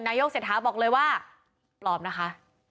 นายกเศรษฐาบอกเลยว่าปลอมนะคะ